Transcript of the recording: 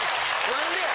何でや？